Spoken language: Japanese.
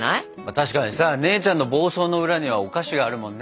確かにさ姉ちゃんの暴走の裏にはお菓子があるもんね。